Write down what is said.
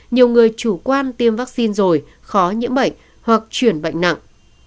nhiều người chủ quan tiêm vaccine rồi khó nhiễm bệnh hoặc chuyển bệnh nặng